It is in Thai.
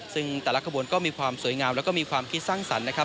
ซึ่งแต่ละขบวนก็มีความสวยงามและมีความคิดสร้างสรรค์